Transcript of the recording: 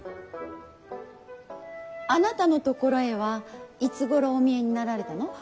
あなたのところへはいつごろお見えになられたの。